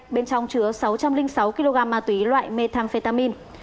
bên trong chứa sáu trăm linh sáu kg ma túy loại methamphetamin